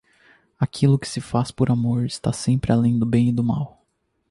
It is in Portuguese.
Aquilo que se faz por amor está sempre além do bem e do mal.